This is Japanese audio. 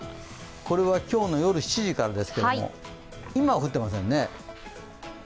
これは今日の夜７時からですけれども、今は降っていませんね。